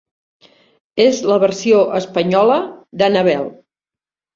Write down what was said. És la versió espanyola d'Annabel.